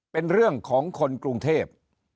เป็นเรื่องของคนกรุงเทพ